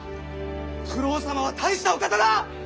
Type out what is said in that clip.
九郎様は大したお方だ！